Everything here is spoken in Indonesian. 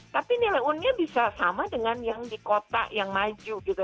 tapi nilai un nya bisa sama dengan yang di kota yang maju gitu